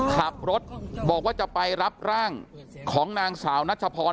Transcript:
ขับรถบอกว่าจะไปรับร่างของนางสาวนัชพร